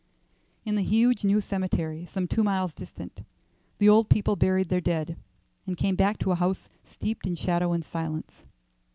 III. In the huge new cemetery, some two miles distant, the old people buried their dead, and came back to a house steeped in shadow and silence.